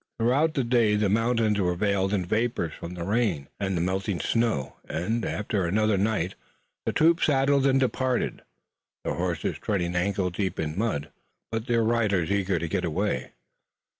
Throughout the day the mountains were veiled in vapors from the rain and the melting snow, and, after another night, the troop saddled and departed, the horses treading ankle deep in mud, but their riders eager to get away.